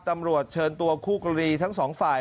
ตำรวจเชิญตัวคู่กรณีทั้งสองฝ่าย